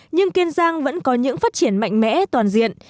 nhưng kiên giang vẫn có những phát triển mạnh mẽ toàn diện